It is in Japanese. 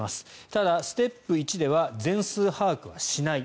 ただ、ステップ１では全数把握はしない。